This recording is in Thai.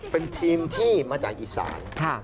เป็นทีมที่มาจากอีสาน